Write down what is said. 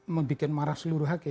membuat marah seluruh hakim